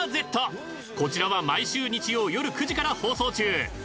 こちらは毎週日曜夜９時から放送中。